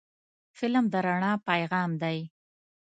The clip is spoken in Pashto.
فلم د رڼا پیغام دی